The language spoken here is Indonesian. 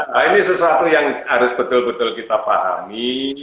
nah ini sesuatu yang harus betul betul kita pahami